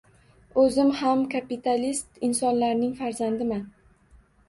O‘zim ham kapitalist insonlarning farzandiman.